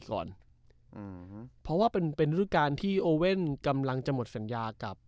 ก่อนอืมเพราะว่าเป็นเป็นรูปการณ์ที่โอเว่นกำลังจะหมดสัญญากับ